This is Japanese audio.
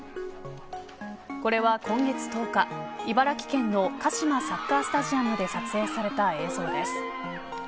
これは、今月１０日茨城県のカシマサッカースタジアムで撮影された映像です。